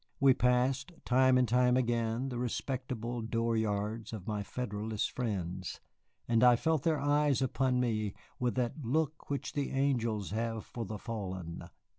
We passed time and time again the respectable door yards of my Federalist friends, and I felt their eyes upon me with that look which the angels have for the fallen.